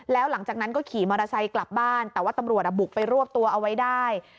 แล้วหลังจากนั้นก็ขี่มอเตอร์ไซค์กลับบ้านแต่ว่าตำรวจบุกไปรวบตัวเอาไว้ได้